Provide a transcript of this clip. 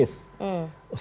ini sebenarnya urusan teknis